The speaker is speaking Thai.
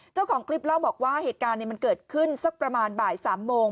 เจ้าของคลิปเล่าบอกว่าเหตุการณ์มันเกิดขึ้นสักประมาณบ่าย๓โมง